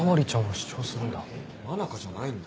真中じゃないんだ。